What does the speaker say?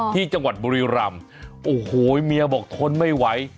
ที่จังหวัดบุรีรำโอ้โหเมียบอกทนไม่ไหว